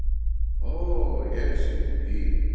" Oh, yes, indeed